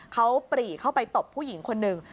เขาปรีเข้าไปตบผู้หญิงคนหนึ่ง